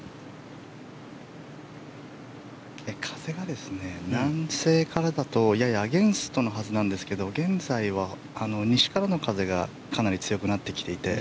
風が、南西からだとややアゲンストのはずなんですが現在は西からの風がかなり強くなってきていて。